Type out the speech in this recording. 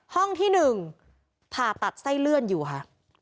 ห้องที่๑ผ่าตัดไส้เลื่อนอยู่ค่ะ